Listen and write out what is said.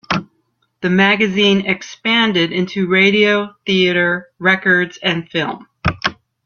The magazine expanded into radio, theater, records and film.